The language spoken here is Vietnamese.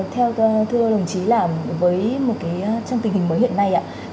theo thưa đồng chí là với một cái trong tình hình mới hiện nay